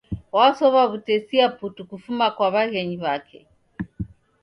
Wasowa wu'tesia putu kufuma kwa wa'ghenyi wake